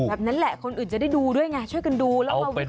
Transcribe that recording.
แบบนั้นแหละคนอื่นจะได้ดูด้วยไงช่วยกันดูแล้วมาวิเคราะห์กัน